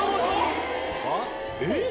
えっ！